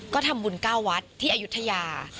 ก็ทำบุญก้าววัดที่อยุธยา